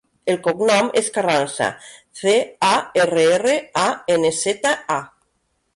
El cognom és Carranza: ce, a, erra, erra, a, ena, zeta, a.